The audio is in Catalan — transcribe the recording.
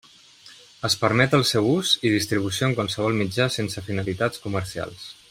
Es permet el seu ús i distribució en qualsevol mitjà sense finalitats comercials.